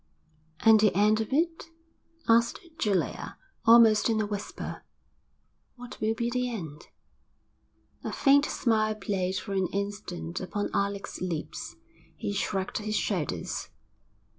'And the end of it?' asked Julia, almost in a whisper. 'What will be the end?' A faint smile played for an instant upon Alec's lips. He shrugged his shoulders.